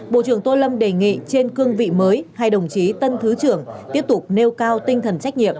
bộ trưởng tô lâm đề nghị trên cương vị mới hai đồng chí tân thứ trưởng tiếp tục nêu cao tinh thần trách nhiệm